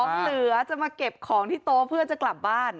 หิ้วของเหลือจะมาเก็บของที่โตเพื่อนจะกลับบ้าน